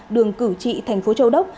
đường cử trị tp châu đốc